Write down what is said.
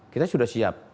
kita sudah siap